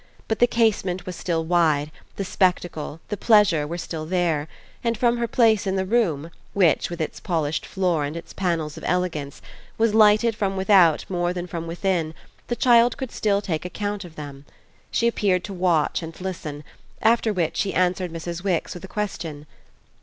But the casement was still wide, the spectacle, the pleasure were still there, and from her place in the room, which, with its polished floor and its panels of elegance, was lighted from without more than from within, the child could still take account of them. She appeared to watch and listen; after which she answered Mrs. Wix with a question.